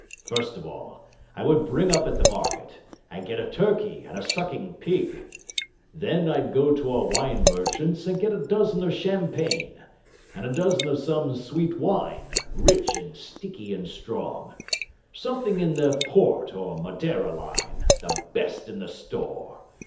First of all, I would bring up at the market and get a turkey and a sucking pig. Then I'd go to a wine merchant's and get a dozen of champagne, and a dozen of some sweet wine, rich and sticky and strong, something in the port or madeira line, the best in the store.